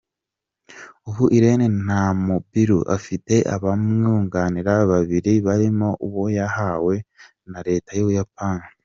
ubu, Iryn Namubiru afite abamwunganira babibiri barimo uwo yahawe na Leta yUbuyapani.